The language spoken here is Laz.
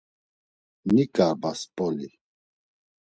Niǩarbas Mp̌oli.